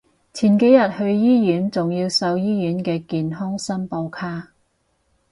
前幾日去醫院仲要掃醫院嘅健康申報卡